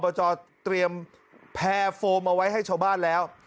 เตรียมแพร่โฟมเอาไว้ให้ชาวบ้านแล้ว